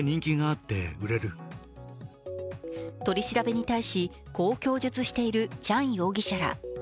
取り調べに対しこう供述しているチャン容疑者ら。